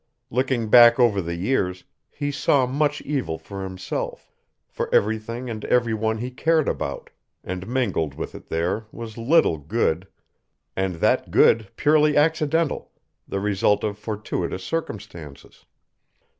Looking back over the years, he saw much evil for himself, for everything and every one he cared about, and mingled with it there was little good, and that good purely accidental, the result of fortuitous circumstances.